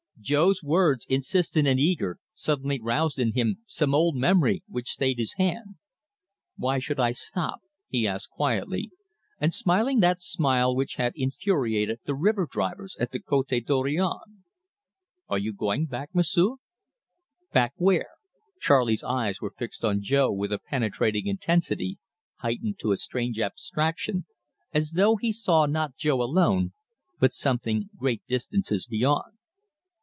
Jo's words, insistent and eager, suddenly roused in him some old memory, which stayed his hand. "Why should I stop?" he asked quietly, and smiling that smile which had infuriated the river drivers at the Cote Dorion. "Are you going back, M'sieu?" "Back where?" Charley's eyes were fixed on Jo with a penetrating intensity, heightened to a strange abstraction, as though he saw not Jo alone, but something great distances beyond.